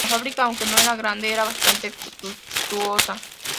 La fábrica, aunque no era grande, era bastante suntuosa.